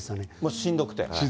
しんどくて。